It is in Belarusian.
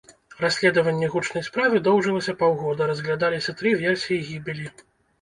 Расследванне гучнай справы доўжылася паўгода, разглядаліся тры версіі гібелі.